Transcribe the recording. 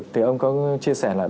thì ông có chia sẻ là